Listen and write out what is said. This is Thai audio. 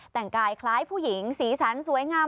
แต่งกายคล้ายผู้หญิงสีสันสวยงาม